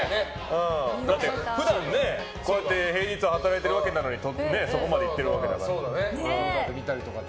だって、普段平日は働いているわけなのにそこまでいってるわけだから。